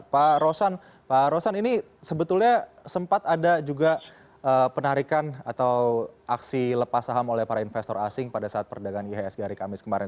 pak rosan pak rosan ini sebetulnya sempat ada juga penarikan atau aksi lepas saham oleh para investor asing pada saat perdagangan ihsg hari kamis kemarin